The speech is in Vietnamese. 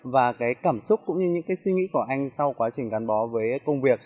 và cái cảm xúc cũng như những cái suy nghĩ của anh sau quá trình gắn bó với công việc